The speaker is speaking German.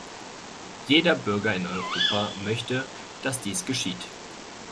Jeder Bürger in Europa möchte, dass dies geschieht.